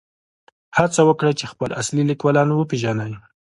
هڅه وکړئ چې خپل اصلي لیکوالان وپېژنئ.